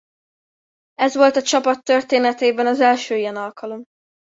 Ez volt a csapat történetében az első ilyen alkalom.